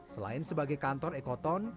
selain sebagai kantor ekoton